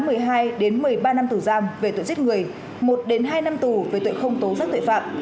tổng mức hình phạt là một mươi hai một mươi ba năm tù giam về tội giết người một hai năm tù về tội không tố giác tội phạm